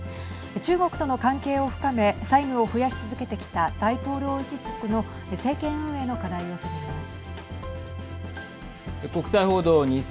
中国との関係を深め債務を増やし続けてきた大統領一族の政権運営の課題を探ります。